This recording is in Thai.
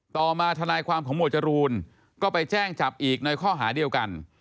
ต่อมาทนายความของหมวดจรูนก็ไปแจ้งจับอีกในข้อหาเดียวกัน